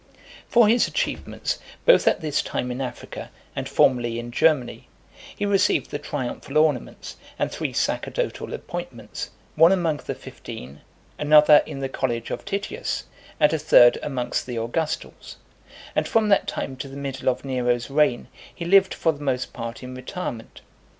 VIII. For his achievements, both at this time in Africa, and formerly in Germany, he received the triumphal ornaments, and three sacerdotal appointments, one among The Fifteen, another in the college of Titius, and a third amongst the Augustals; and from that time to the middle of Nero's reign, he lived for the most part in retirement.